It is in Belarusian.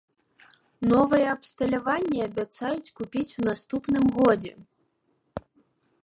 Новае абсталяванне абяцаюць купіць у наступным годзе.